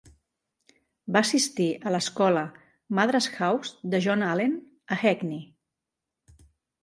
Va assistir a l'escola Madras House de John Allen a Hackney.